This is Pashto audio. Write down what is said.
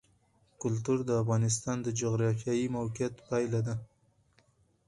کلتور د افغانستان د جغرافیایي موقیعت پایله ده.